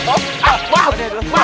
pak dek apa